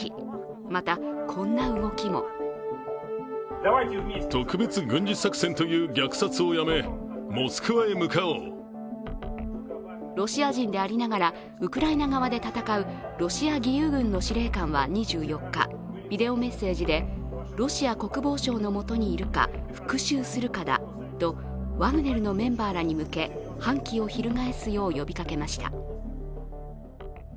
また、こんな動きもロシア人でありながらウクライナ側で戦うロシア義勇軍の司令官は２４日、ビデオメッセージで、ロシア国防省の下にいるか、復しゅうするかだとワグネルのメンバーらに向け反旗を翻すよう呼びかけました。